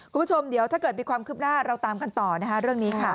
คุณผู้ชมเดี๋ยวถ้าเกิดมีความคืบหน้าเราตามกันต่อนะคะเรื่องนี้ค่ะ